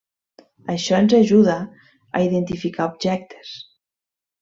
Això ens ajuda a identificar objectes.